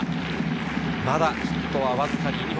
まだヒットはわずか２本。